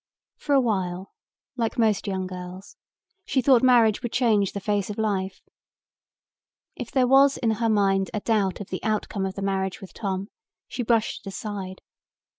For a while, like most young girls, she thought marriage would change the face of life. If there was in her mind a doubt of the outcome of the marriage with Tom she brushed it aside.